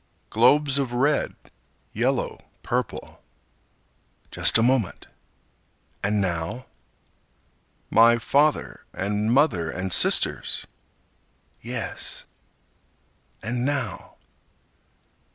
Globes of red, yellow, purple. Just a moment! And now? My father and mother and sisters. Yes! And now?